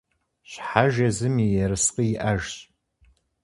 Щхьэж езым и ерыскъы иӀэжщ.